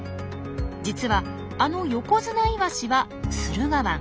実はあのヨコヅナイワシは駿河湾。